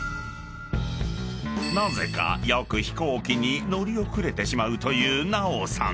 ［なぜかよく飛行機に乗り遅れてしまうという奈緒さん。